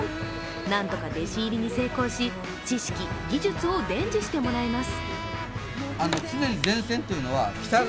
なんとか弟子入りに成功し知識、技術を伝授してもらいます。